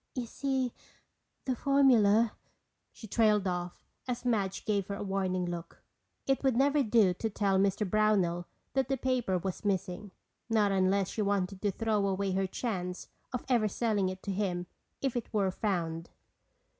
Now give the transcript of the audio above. You see, the formula—" she trailed off as Madge gave her a warning look. It would never do to tell Mr. Brownell that the paper was missing—not unless she wanted to throw away her chance of ever selling it to him if it were found.